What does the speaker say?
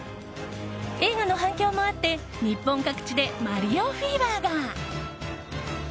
映画の反響もあって日本各地でマリオフィーバーが。